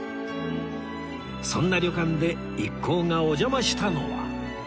そんな旅館で一行がお邪魔したのは